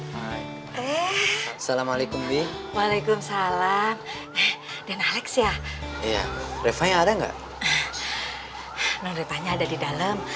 hai eh salam alaikum walaikum salam dan alex ya iya reva ya ada enggak